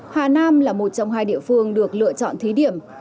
hà nam là một trong hai địa phương được lựa chọn thí điểm